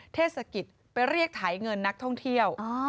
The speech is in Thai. เทศกิจไปเรียกไถเงินนักท่องเที่ยว